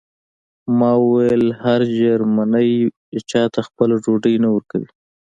ما وویل هر جرمنی چاته خپله ډوډۍ نه ورکوي